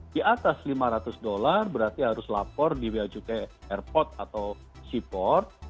di atas lima ratus dollar berarti harus lapor di biaya cukai airport atau seaport